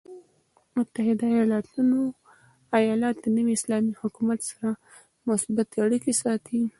متحده ایالات د نوي اسلامي حکومت سره مثبتې اړیکې ساتي.